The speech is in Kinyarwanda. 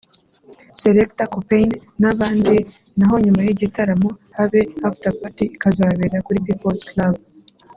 Selekta Copain n’abandi naho nyuma y'igitaramo habe 'afterparty' ikazabera kuri People’s Club